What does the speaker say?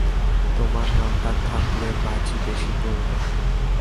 তোমার নামডাক থাকলে, বাজি বেশি পড়বে।